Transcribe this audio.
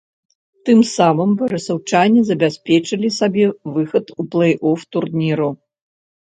Тым самым барысаўчане забяспечылі сабе выхад у плэй-оф турніру.